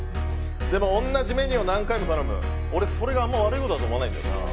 でも、同じメニューを何回も頼む、俺はそれがそんなに悪いことだと思わないな。